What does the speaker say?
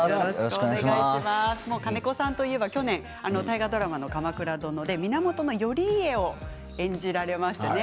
金子さんといえば去年大河ドラマの「鎌倉殿」で源頼家を演じられましたね。